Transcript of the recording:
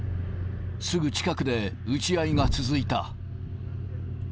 すぐ近くで撃ち合いが続いた。